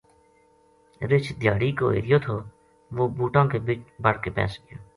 رچھ دھیاڑی کو ہریو تھو وہ بُوٹاں کے بچ بڑ کے بیس گیو